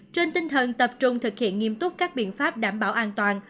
trên tinh thần tập trung thực hiện nghiêm túc các biện pháp đảm bảo an toàn